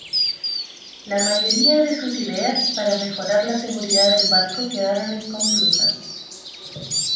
La mayoría de sus ideas para mejorar la seguridad del barco quedaron inconclusas.